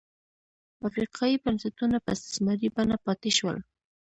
افریقايي بنسټونه په استثماري بڼه پاتې شول.